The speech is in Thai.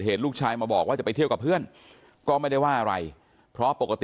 อายุ๑๐ปีนะฮะเขาบอกว่าเขาก็เห็นถูกยิงนะครับ